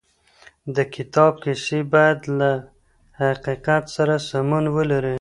د کتاب کيسې بايد له حقيقت سره سمون ولري.